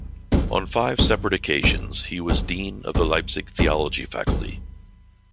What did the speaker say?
On five separate occasions he was dean of the Leipzig theology faculty.